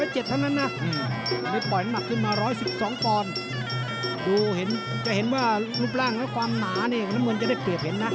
จะเห็นว่ารูปร่างและความหนาน้ำเงินจะได้เปรียบเห็นนะ